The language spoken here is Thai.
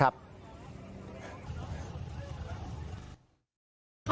กลับขนาด๙มมขัดแย้งกันแย้งกันหรือเปล่า